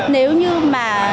nếu như mà